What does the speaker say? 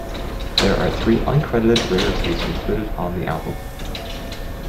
There are three uncredited rarities included on the album.